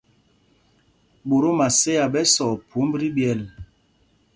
Ɓot o Maséa ɓɛ sɔɔ phwómb tí ɓyɛ́l.